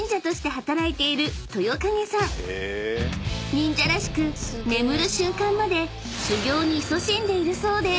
［忍者らしく眠る瞬間まで修行にいそしんでいるそうです］